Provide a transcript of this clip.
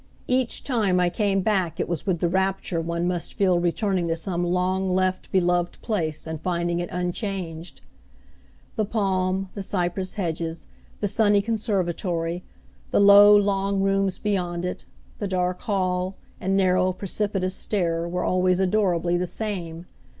Each time I came back it was with the rapture one must feel returning to some long left, beloved place and finding it unchanged. The palm, the cypress hedges, the sunny conservatory, the low, long rooms beyond it, the dark hall, and narrow, precipitous stair were always adorably the same.